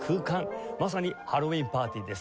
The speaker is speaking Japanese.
まさにハロウィーン・パーティーです。